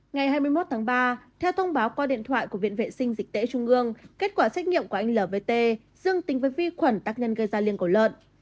ngày hai mươi một tháng ba theo thông báo qua điện thoại của viện vệ sinh dịch tễ trung ương kết quả xét nghiệm của anh lvt dương tính với vi khuẩn tác nhân gây ra liên của lợn